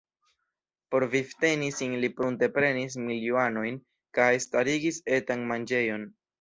Por vivteni sin li prunte prenis mil juanojn kaj starigis etan manĝejon.